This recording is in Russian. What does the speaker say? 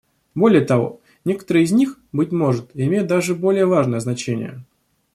Более того, некоторые из них, быть может, имеют даже более важное значение.